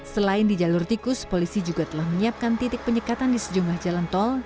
selain di jalur tikus polisi juga telah menyiapkan titik penyekatan di sejumlah jalan tol